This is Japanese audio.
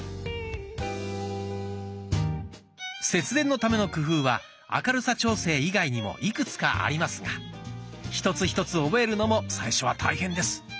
節電のための工夫は明るさ調整以外にもいくつかありますが一つ一つ覚えるのも最初は大変です。